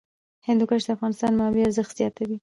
هندوکش د اقتصادي منابعو ارزښت زیاتوي.